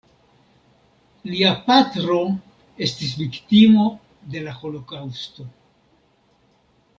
Lia patro estis viktimo de la holokaŭsto.